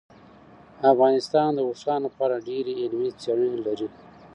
افغانستان د اوښانو په اړه ډېرې علمي څېړنې لري.